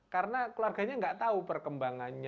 karena keluarganya tidak tahu perkembangannya